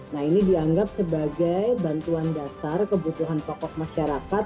nah ini dianggap sebagai bantuan dasar kebutuhan pokok masyarakat